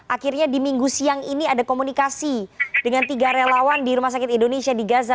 akhirnya di minggu siang ini ada komunikasi dengan tiga relawan di rumah sakit indonesia di gaza